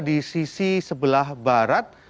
di sisi sebelah barat